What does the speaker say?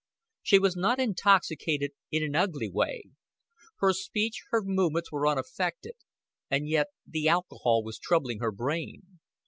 She was not intoxicated in an ugly way; her speech, her movements were unaffected, and yet the alcohol was troubling her brain.